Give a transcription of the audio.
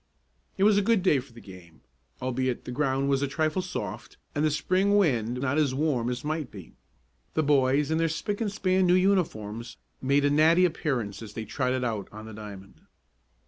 It was a good day for the game, albeit the ground was a trifle soft, and the Spring wind not as warm as might be. The boys in their spick and span new uniforms made a natty appearance as they trotted out on the diamond.